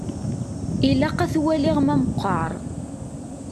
Ilaq ad t-waliɣ ma meqqer.